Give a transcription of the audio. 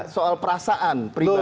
soal perasaan pribadi